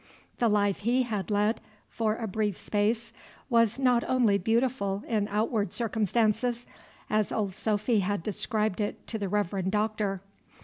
The life he had led for a brief space was not only beautiful in outward circumstance, as old Sophy had described it to the Reverend Doctor.